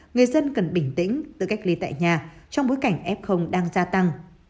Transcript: người dân cần bình tĩnh tự cách ly tại nhà trong bối cảnh f đang gia tăng